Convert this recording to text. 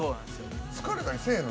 疲れたりせえへん？